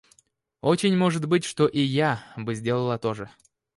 Очень может быть, что и я бы сделала то же.